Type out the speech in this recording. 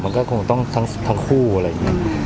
มันก็คงต้องทั้งคู่อะไรอย่างนี้